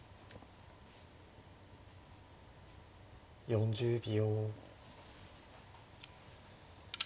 ４０秒。